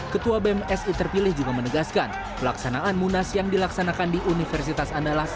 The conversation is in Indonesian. ketua bemsi terpilih juga menegaskan pelaksanaan munas yang dilaksanakan di universitas andalas